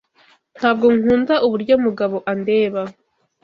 Ntabwo nkunda uburyo Mugabo andeba.